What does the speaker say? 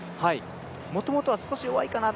もともとは少し弱いかな